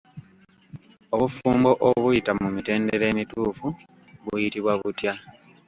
Obufumbo obuyita mu mitendera emituufu buyitibwa butya?